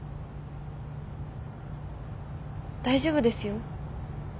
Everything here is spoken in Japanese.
大丈夫ですよ。